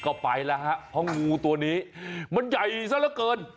ก็ไปแล้วฮะเพราะงูตัวนี้มันใหญ่ซะละเกิน